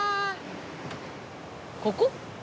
ここ？